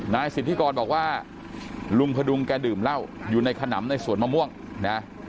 นายสิทธิกรบอกว่าลุงพดุงแกดื่มเหล้าอยู่ในขนำในสวนมะม่วงนะ